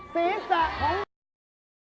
สีสะของ